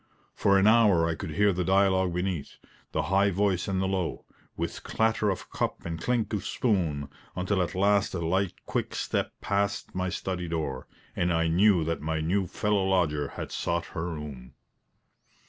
For an hour I could hear the dialogue beneath the high voice and the low, with clatter of cup and clink of spoon, until at last a light, quick step passed my study door, and I knew that my new fellow lodger had sought her room.